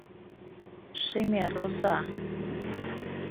Шемер оза!